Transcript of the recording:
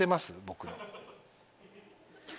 僕の。